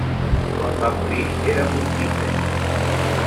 Quan va morir era pontífex.